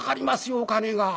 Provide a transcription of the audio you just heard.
お金が。